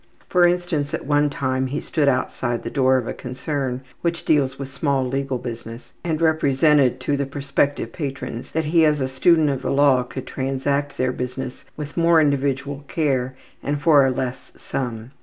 For instance, at one time he stood outside the door of a concern which deals with small legal business and represented to the prospective patrons that he as a student of the law could transact their business with more individual care and for a less sum.